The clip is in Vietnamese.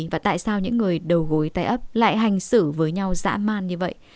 và tại sao những người đầu gối tay ấp lại hành xử với nhau dã man như vậy